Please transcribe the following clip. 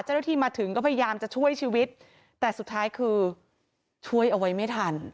เจ้าหน้าที่มาถึงก็พยายามจะช่วยชีวิตแต่สุดท้ายคือช่วยเอาไว้ไม่ทัน